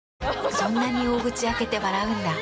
そんなに大口開けて笑うんだ。